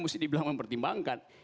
mesti dibilang mempertimbangkan